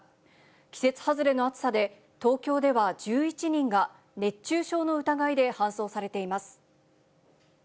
季節外れの暑さで、東京では１１人が熱中症の疑いで搬送されています。